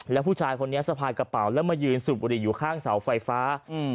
แล้วผู้ชายคนนี้สะพายกระเป๋าแล้วมายืนสูบบุหรี่อยู่ข้างเสาไฟฟ้าอืม